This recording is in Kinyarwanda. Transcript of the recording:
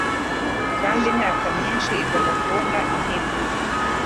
Kandi imyaka myinshi igomba kubona impinduka.